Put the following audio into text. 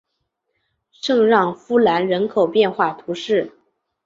圣让夫兰人口变化图示